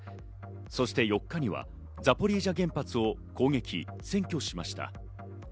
そして４日にはザポリージャ原発を攻撃、占拠しました。